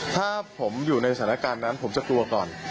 ถ้าผมอยู่ในสถานการณ์นั้นผมจะกลัวก่อน